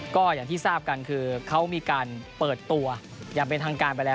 ก็อย่างที่ทราบกันคือเขามีการเปิดตัวอย่างเป็นทางการไปแล้ว